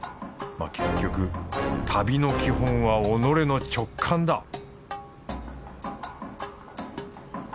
まあ結局旅の基本は己の直感だ！